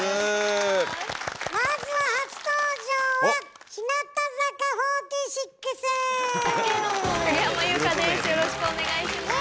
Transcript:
まずはよろしくお願いします。